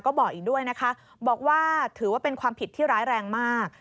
ก็บอกอีกด้วยนะคะบอกว่าถือว่าเป็นความผิดที่ร้ายแรงมาก